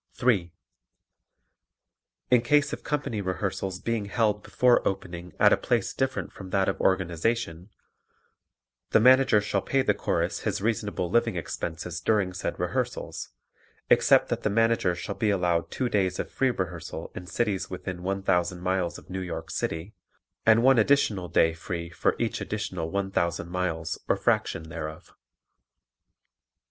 3. In case of company rehearsals being held before opening at a place different from that of organization, the Manager shall pay the Chorus his reasonable living expenses during said rehearsals, except that the Manager shall be allowed two days of free rehearsal in cities within one thousand miles of New York City and one additional day free for each additional one thousand miles or fraction thereof.